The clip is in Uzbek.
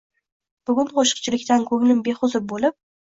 Bugun qo’shiqchilikdan ko’nglim behuzur bo’lib